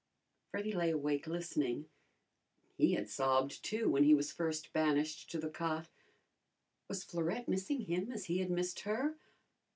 Freddy lay awake listening. He had sobbed, too, when he was first banished to the cot. Was Florette missing him as he had missed her?